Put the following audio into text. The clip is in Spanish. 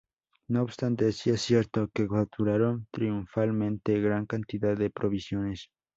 No obstante, si es cierto que capturaron triunfalmente gran cantidad de provisiones.